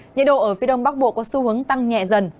nhiệt độ ở phía đông bắc bộ có xu hướng tăng nhẹ dần